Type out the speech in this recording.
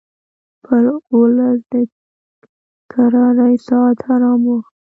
پر اولس د کرارۍ ساعت حرام وو